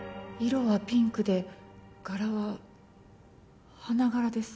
色はピンクで柄は花柄です